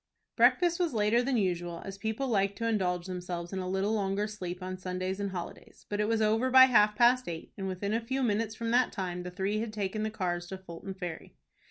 Breakfast was later than usual, as people like to indulge themselves in a little longer sleep on Sundays and holidays; but it was over by half past eight, and within a few minutes from that time the three had taken the cars to Fulton Ferry.